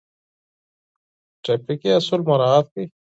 ترافیکي اصول مراعات کړئ.